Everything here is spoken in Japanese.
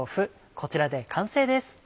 こちらで完成です。